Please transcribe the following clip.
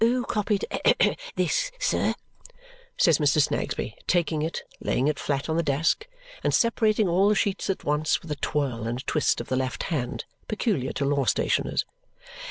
"Who copied this, sir?" says Mr. Snagsby, taking it, laying it flat on the desk, and separating all the sheets at once with a twirl and a twist of the left hand peculiar to lawstationers.